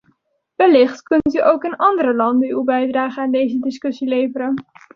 Wellicht kunt u ook in andere landen uw bijdrage aan deze discussie leveren.